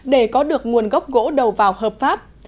để có được nguồn gốc gỗ đầu vào hợp pháp